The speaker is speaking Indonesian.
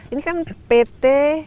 ini kan pt